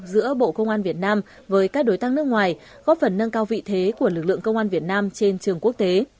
giữa bộ công an việt nam với các đối tác nước ngoài góp phần nâng cao vị thế của lực lượng công an việt nam trên trường quốc tế